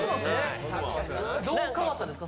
どう変わったんですか？